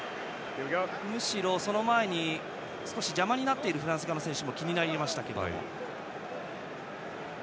むしろ、その前に邪魔になったフランス側の選手も気になりましたけども。